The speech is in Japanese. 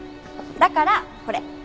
だからこれ。